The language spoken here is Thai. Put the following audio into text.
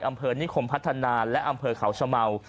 อำเภอนิคมพัฒนาและอำเภอเขาชะเมา